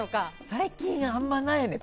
最近あんまりないね。